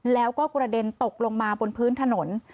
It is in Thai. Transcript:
แล้วก็กระเด็นตกลงมาบนพื้นถนน